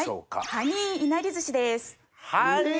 ハニーいなり寿司。